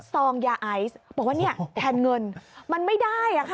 ซองยาไอซ์บอกว่าเนี่ยแทนเงินมันไม่ได้อะค่ะ